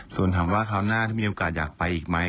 ส่วนถามว่าคราวหน้าถ้ามีโอกาสอยากไปอีกไหม